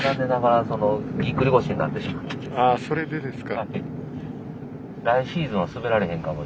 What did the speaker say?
あそれでですか。